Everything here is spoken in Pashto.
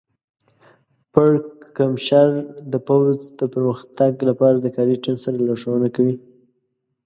پړکمشر د پوځ د پرمختګ لپاره د کاري ټیم سره لارښوونه کوي.